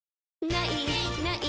「ない！ない！